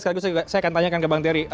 sekaligus saya akan tanyakan ke bang terry